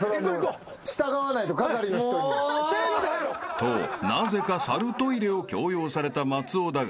［となぜか猿トイレを強要された松尾だが］